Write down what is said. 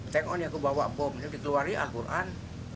tengok nih aku bawa bom ini di tuar dia al quran